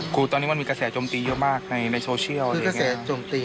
ครูตอนนี้มันมีกระแสจมตีเยอะมากในในหรือยังงี้คือกระแสจมตี